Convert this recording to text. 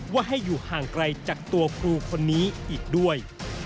ว่าให้อยู่ห่างไกลจากตัวครูคนนี้อีกด้วย